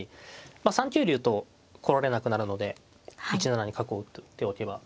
３九竜と来られなくなるので１七に角を打っておけば。